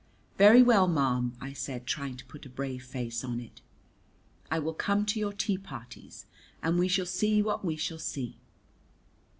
"Very well, ma'am," I said, trying to put a brave face on it, "I will come to your tea parties, and we shall see what we shall see."